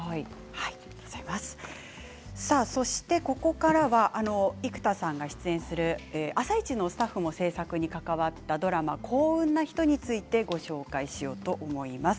ここからは生田さんが出演する「あさイチ」のスタッフも制作に関わったドラマ「幸運なひと」についてご紹介しようと思います。